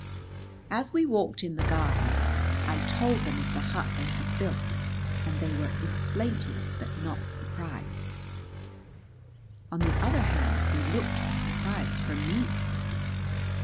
As we walked in the Gardens I told them of the hut they had built; and they were inflated but not surprised. On the other hand they looked for surprise from me.